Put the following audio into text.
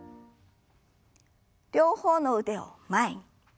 両方の腕を前に。